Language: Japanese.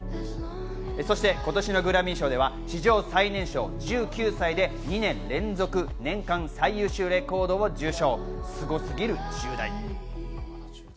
そして今年のグラミー賞では史上最年少１９歳で２年連続年間最優秀レコード賞を受賞。